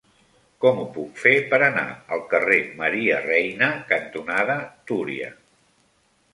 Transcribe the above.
Com ho puc fer per anar al carrer Maria Reina cantonada Túria?